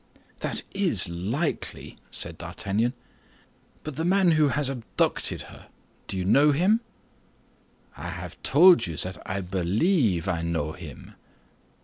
"That is likely," said D'Artagnan; "but the man who has abducted her—do you know him?" "I have told you that I believe I know him."